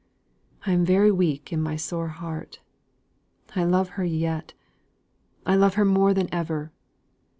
I am very weak in my sore heart; I love her yet; I love her more than ever."